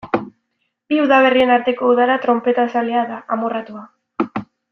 Bi udaberrien arteko udara tronpetazalea da, amorratua.